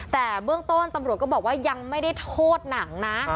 แต่เบื้องต้นตำรวจก็บอกว่ายังไม่ได้โทษหนังนะ